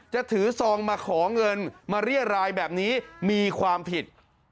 จะถือซองมาขอเงินมาเรียรายแบบนี้มีความผิด